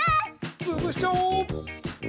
つぶしちゃおう！